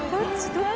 どこ？